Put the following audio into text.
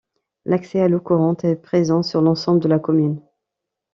L'accès à l'eau courante est présent sur l'ensemble de la commune.